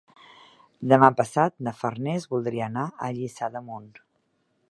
Demà passat na Farners voldria anar a Lliçà d'Amunt.